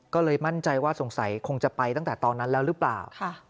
ก็เลยมั่นใจว่าสงสัยคงจะไปตั้งแต่ตอนนั้นแล้วหรือเปล่า